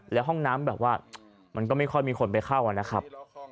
แล้วห้องน้ำแบบว่ามันก็ไม่ค่อยมีคนไปเข้านะครับ